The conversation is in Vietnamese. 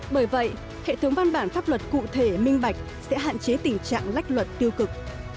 bởi vậy hệ thống văn bản pháp luật cụ thể minh bạch sẽ hạn chế tình trạng lách luật tiêu cực